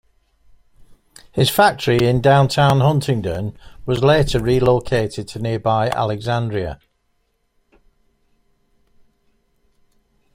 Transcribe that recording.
His factory in downtown Huntingdon was later relocated to nearby Alexandria.